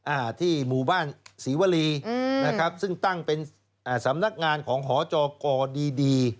อ่าที่หมู่บ้านศรีวรีอืมนะครับซึ่งตั้งเป็นอ่าสำนักงานของหจกดีดี